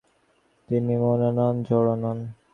তিনি মনও নন, জড়ও নন।